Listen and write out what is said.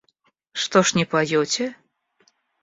Что ж не поете?